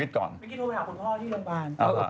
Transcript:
เมื่อกี้ฟูปิศาสตร์คุณพ่อที่โรงพยาบรรยาม